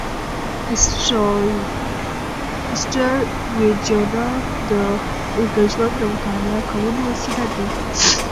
اسټروېډونه د ژوند د مطالعه کولو وسیله دي.